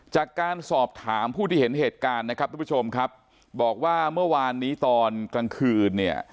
จากการสอบถามผู้ที่เห็นเหตุการณ์นะครับทุกผู้ชมครับบอกว่าเมื่อวานนี้ตอนกลางคืนเนี่ย